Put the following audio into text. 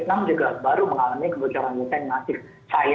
tidak negara mengalami kebocoran data